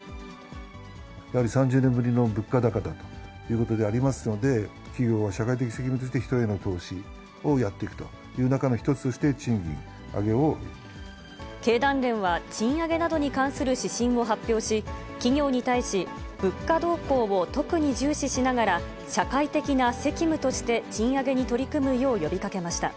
基本給の引き上げとなるベースアップを前向きに検討することなどやはり３０年ぶりの物価高ということでありますので、企業の社会的責務として、人への投資をやっていくという中の一つ経団連は賃上げなどに関する指針を発表し、企業に対し、物価動向を特に重視しながら、社会的な責務として賃上げに取り組むよう呼びかけました。